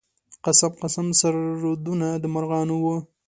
قسم قسم سرودونه د مرغانو و.